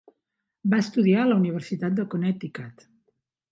Va estudiar a la universitat de Connecticut.